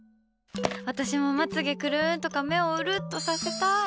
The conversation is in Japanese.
私もまつ毛くるんとか目をうるっとさせたい。